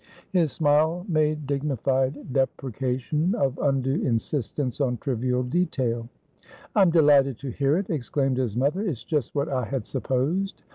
His smile made dignified deprecation of undue insistence on trivial detail. "I'm delighted to hear it!" exclaimed his mother. "It's just what I had supposed.